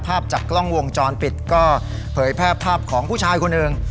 ภาพจากกล้องวงจรปิดก็เผยแพร่ภาพของผู้ชายคนหนึ่ง